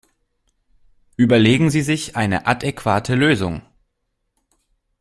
Überlegen Sie sich eine adäquate Lösung!